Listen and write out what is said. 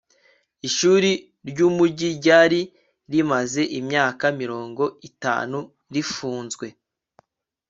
ishuri ryumujyi ryari rimaze imyaka mirongo itanu rifunzwe